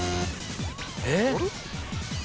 えっ⁉